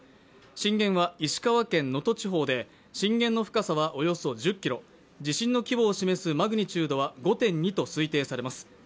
震源は石川県能登地方で、震源の深さはおよそ１０ｋｍ、地震の規模を示すマグニチュードは５．２と推定されます。